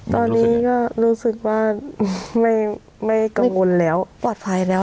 ตอนนี้ก็รู้สึกว่าไม่กังวลแล้วปลอดภัยแล้ว